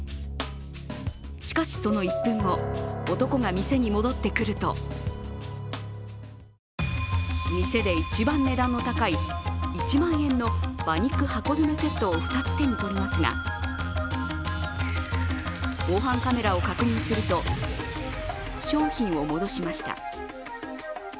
しかし、その１分後、男が店に戻ってくると店で一番値段の高い１万円の馬肉箱詰めセットを２つ手にとりますが防犯カメラを確認すると、商品を戻しました。